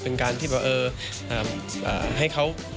เอฮะให้เขา